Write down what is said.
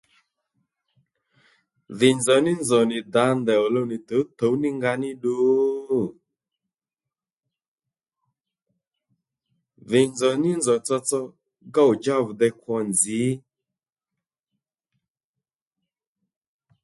Dhì nzòw ní nzòw nì dǎ ndèy ò luw nì tǔwtǔw ní nga ní ddu dhì nzòw ní nzow tsotso gówdjá vì dey kwo nzǐ